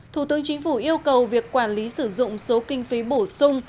thủ tướng chính phủ yêu cầu việc quản lý sử dụng số kinh phí bổ sung